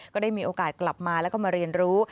ก็ได้มีโอกาสกลับมาแล้วก็มาเรียนรู้